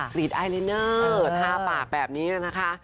กรีดไอลินเนอร์ทาปากแบบนี้นะคะ